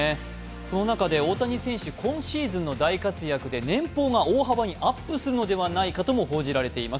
その中で大谷選手、今シーズンの大活躍で年俸が大幅にアップするのではないかと言われています。